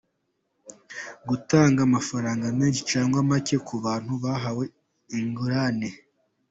Gutanga amafaranga menshi cyangwa make ku bantu bahawe ingurane.